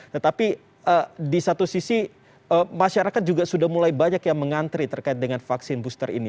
tetapi di satu sisi masyarakat juga sudah mulai banyak yang mengantri terkait dengan vaksin booster ini